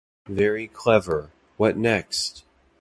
Very clever; what next?